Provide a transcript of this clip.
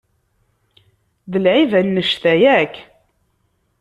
D lεib annect-a yakk?